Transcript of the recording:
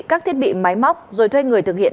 các thiết bị máy móc rồi thuê người thực hiện